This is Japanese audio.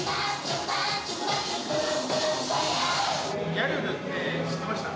ギャルルって知ってました？